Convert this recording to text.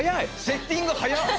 セッティング早っ！